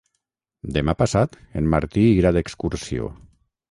Demà passat en Martí irà d'excursió.